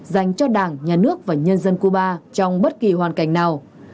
dành cho đảng nhà nước và nhân dân cuba trong bất kỳ hoàn cảnh nào